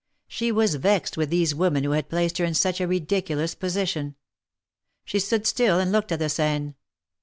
She was vexed with these women who had placed her in such a ridiculous position. She stood still and looked at the Seine.